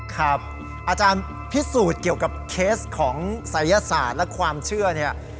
อาจารย์พิสูจน์เกี่ยวกับเคสของศัยศาสตร์และความเชื่อเนี่ย